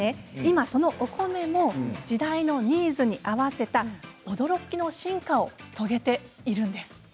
そのお米も時代のニーズに合わせた驚きの進化を遂げているんです。